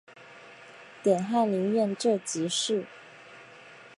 点翰林院庶吉士。